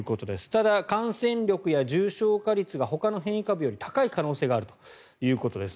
ただ、感染力や重症化率がほかの変異株より高い可能性があるということです。